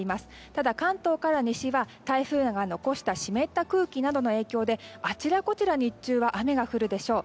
ただ、関東から西は台風が残した湿った空気などの影響であちらこちらで日中は雨が降るでしょう。